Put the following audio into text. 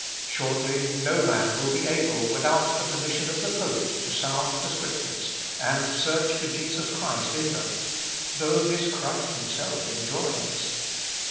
Shortly, no man will be able without the permission of the pope, to sound the Scriptures, and search for Jesus Christ in them, though this Christ himself enjoins.